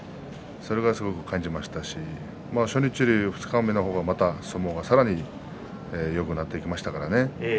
それをすごく感じましたし初日より二日目の方が相撲がさらによくなってきましたからね。